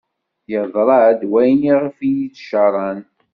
Yeḍra-d wayen iɣef i d-caren.